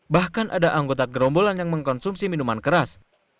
bahkan ada anggota gerombolan yang mengkonsumsi minuman keras